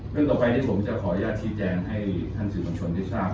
เรื่องต่อไปที่ผมจะขออนุญาตที่แจงให้ท่านสื่อบัญชนที่ทราบ